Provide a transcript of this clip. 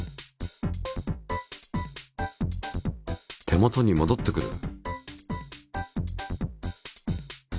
手もとに戻ってくる。